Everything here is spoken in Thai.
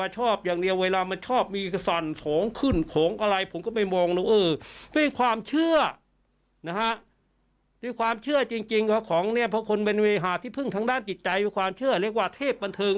ใช้ความเชื่อเรียกว่าเทพบันเทิง